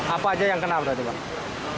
apa aja yang kenal tadi pak